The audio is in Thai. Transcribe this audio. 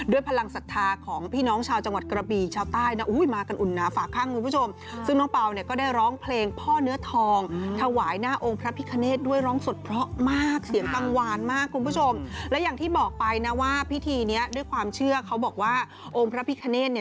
ด้วยพลังศรรษฐาของพี่น้องชาวจังหวัดกระบี่ชาวใต้นะ